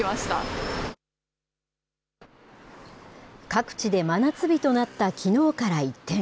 各地で真夏日となったきのうから一転。